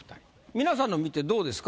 皆さんの見てどうですか？